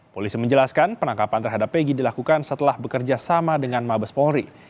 polisi menjelaskan penangkapan terhadap egy dilakukan setelah bekerja sama dengan mabes polri